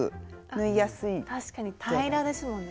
確かに平らですもんね